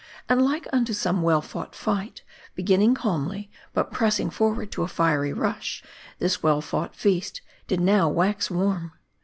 And like unto some well fought fight, beginning calmly, but pressing forward to a fiery rush, this well fought feast did now wax warm.